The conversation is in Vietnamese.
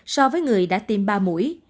so với người đã tiêm ba mũi